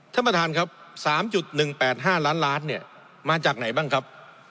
ท่านประธานครับ๓๑๘๕ล้านล้านเนี่ยมาจากไหนบ้างครับ